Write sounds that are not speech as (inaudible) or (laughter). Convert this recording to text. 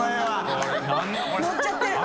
のっちゃってる (laughs)